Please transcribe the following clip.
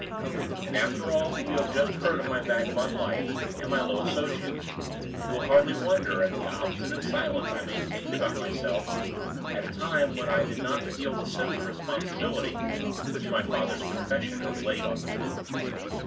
And, after all that you have just heard of my vagabond life and my low associates, you will hardly wonder at the obstinate silence I maintained about myself, at a time when I did not feel the sense of responsibility which my father's confession has laid on me.